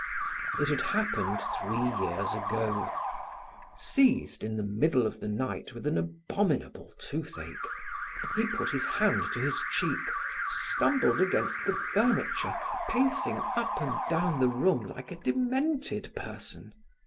It had happened three years ago. Seized, in the middle of the night, with an abominable toothache, he put his hand to his cheek, stumbled against the furniture, pacing up and down the room like a demented person.